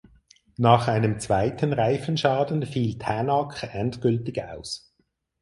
Nach einem zweiten Reifenschaden fiel Tänak endgültig aus.